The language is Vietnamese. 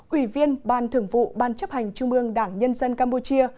ủy viên ban thưởng vụ ban chấp hành trung ương đảng nhân dân campuchia